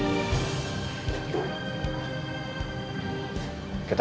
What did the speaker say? ada sulit tahan